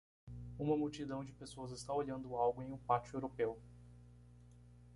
Uma multidão de pessoas está olhando algo em um pátio europeu.